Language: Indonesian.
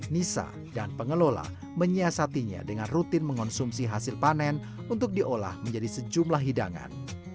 nisa dan pengelola menyiasatinya dengan rutin mengonsumsi hasil panen untuk diolah menjadi sejumlah hidangan